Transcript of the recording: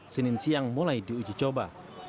senin siang mulai diuji coba